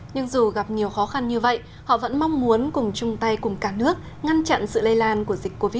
nhưng dù gặp nhiều khó khăn như vậy họ vẫn mong muốn cùng chung tay cùng cả nước ngăn chặn sự lây lan của dịch covid một mươi chín